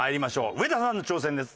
上田さんの挑戦です。